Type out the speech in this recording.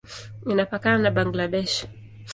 Inapakana na Bangladesh.